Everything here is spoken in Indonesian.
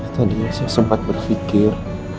tadinya saya sempat berpikir